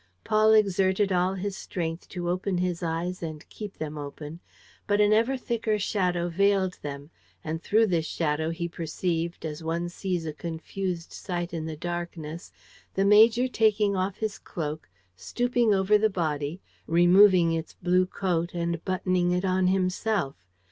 Paul exerted all his strength to open his eyes and keep them open. But an ever thicker shadow veiled them; and through this shadow he perceived, as one sees a confused sight in the darkness, the major taking off his cloak, stooping over the body, removing its blue coat and buttoning it on himself.